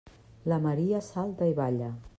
La Maria salta i balla.